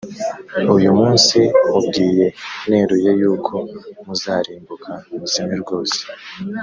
uyu munsi nkubwiye neruye yuko muzarimbuka, muzime rwose,